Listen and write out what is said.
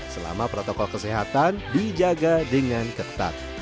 selama protokol kesehatan dijaga dengan ketat